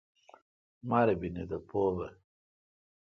مربینی تھا پو بھ۔